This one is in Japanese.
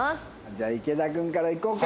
じゃあ池田君からいこうか。